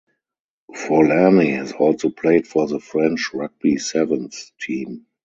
Forlani has also played for the French rugby sevens team.